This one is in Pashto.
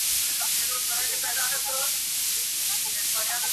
خلک بيا بحث شروع کوي ډېر.